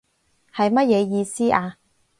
係乜嘢意思啊？